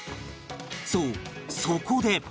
そうそこで